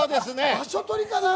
場所取りかな？